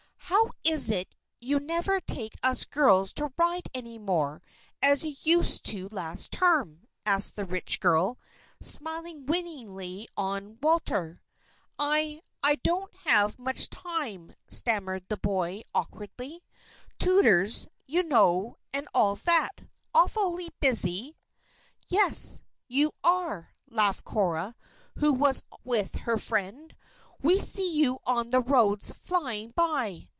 "How is it you never take us girls to ride any more, as you used to last term?" asked the rich girl, smiling winningly on Walter. "I I don't have much time," stammered the boy, awkwardly. "Tutors, you know, and all that. Awfully busy." "Yes you are!" laughed Cora, who was with her friend. "We see you on the roads, flying by."